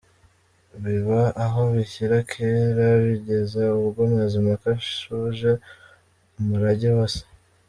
Biba aho bishyira kera; bigeza ubwo Mazimpaka ashoje umurage wa se.